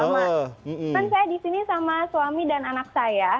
kan saya di sini sama suami dan anak saya